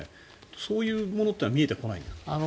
そういうものは見えてこない？